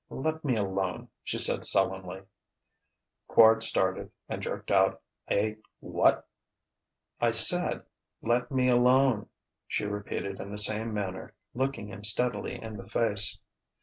"Let me alone," she said sullenly. Quard started and jerked out a "What?" "I said, let me alone," she repeated in the same manner, looking him steadily in the face.